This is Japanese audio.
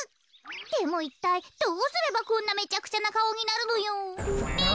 でもいったいどうすればこんなめちゃくちゃなかおになるのよ。